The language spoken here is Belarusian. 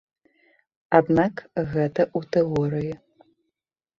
Аднак гэта ў тэорыі.